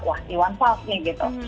wah iwan fals nih gitu